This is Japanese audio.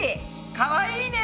かわいいね！